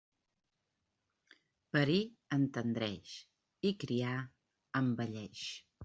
Parir entendreix i criar envelleix.